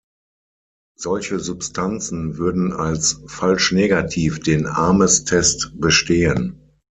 Solche Substanzen würden als falsch-negativ den Ames-Test bestehen.